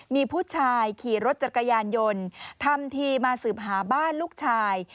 มีผู้ชายขี่รถจักรยานยนต์ทำทีมาสืบหาบ้านลูกชาย